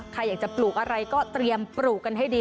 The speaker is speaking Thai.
ใครอยากจะปลูกอะไรก็เตรียมปลูกกันให้ดี